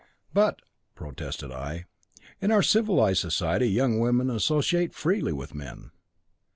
"But," protested I, "in our civilised society young women associate freely with men."